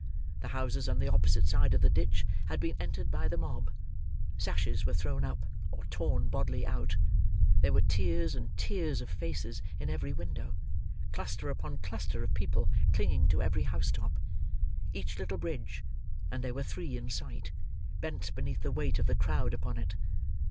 The houses on the opposite side of the ditch had been entered by the mob; sashes were thrown up, or torn bodily out; there were tiers and tiers of faces in every window; cluster upon cluster of people clinging to every house top. Each little bridge (and there were three in sight) bent beneath the weight of the crowd upon it.